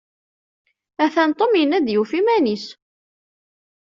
Atan Tom yenna-d yufa iman-is.